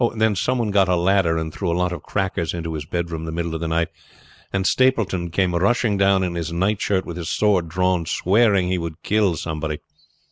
Then some one got a ladder and threw a lot of crackers into his bedroom in the middle of the night, and Stapleton came rushing down in his night shirt with his sword drawn, swearing he would kill somebody.